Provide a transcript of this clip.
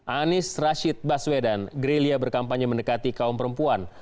anis rashid baswedan gerilia berkampanye mendekati kaum perempuan